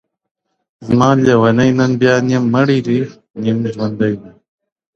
زما لېونی نن بیا نيم مړی دی، نیم ژوندی دی,